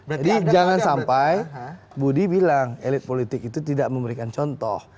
jadi jangan sampai budi bilang elit politik itu tidak memberikan contoh